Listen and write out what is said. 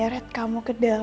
aku bertahun tahun kembali